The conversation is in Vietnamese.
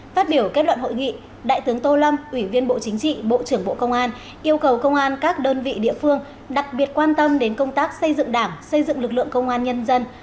phát biểu kết luận hội nghị đại tướng tô lâm ủy viên bộ chính trị bộ trưởng bộ công an yêu cầu công an các đơn vị địa phương đặc biệt quan tâm đến công tác xây dựng đảng xây dựng lực lượng công an nhân dân